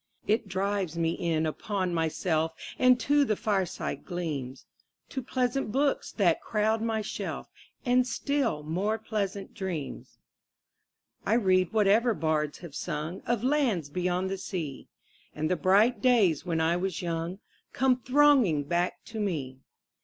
It drives me in upon myself 5 And to the fireside gleams, To pleasant books that crowd my shelf, And still more pleasant dreams. I read whatever bards have sung Of lands beyond the sea, 10 And the bright days when I was young Come thronging back to me.